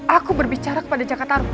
aku berbicara kepada jakarta